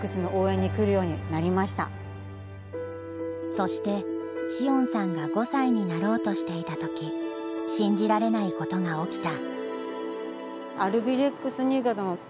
そして詩音さんが５歳になろうとしていた時信じられないことが起きた。